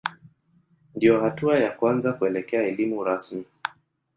Ndiyo hatua ya kwanza kuelekea elimu rasmi.